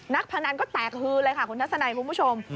พนันก็แตกฮือเลยค่ะคุณทัศนัยคุณผู้ชม